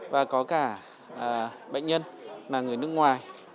và có cả bệnh nhân là người nước ngoài